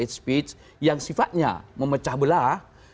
hate speech yang sifatnya memecah belah